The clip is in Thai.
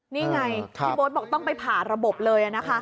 นี่ไงพี่โบ๊ทบอกต้องไปผ่าระบบเลยนะคะ